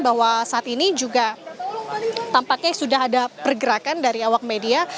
bahwa saat ini juga tampaknya sudah ada pergerakan dari awak media